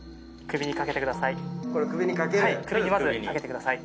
首にまず掛けてください。